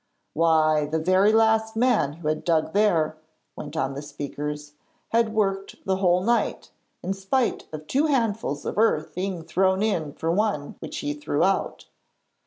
'Why, the very last man who had dug there,' went on the speakers, 'had worked the whole night, in spite of two handfuls of earth being thrown in for one which he threw out.